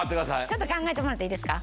ちょっと考えてもらっていいですか？